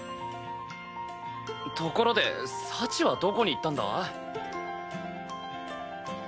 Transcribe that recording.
ところで幸はどこに行ったんだ？